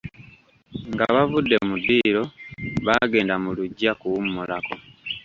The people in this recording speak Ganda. Nga bavudde mu ddiiro, baagenda mu luggya kuwummulako.